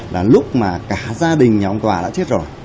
là lúc mà cả gia đình nhà ông tòa đã chết rồi